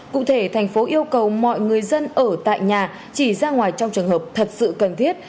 cụ thể thành phố yêu cầu mọi người dân ở tại nhà chỉ ra ngoài trong trường hợp thật sự cần thiết